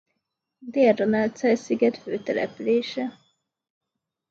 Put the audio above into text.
Dél-Ronaldsay sziget fő települése.